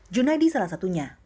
junaydi salah satunya